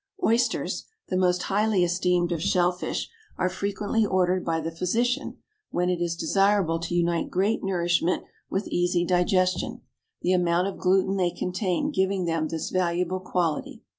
Oysters, the most highly esteemed of shell fish, are frequently ordered by the physician when it is desirable to unite great nourishment with easy digestion, the amount of gluten they contain giving them this valuable quality.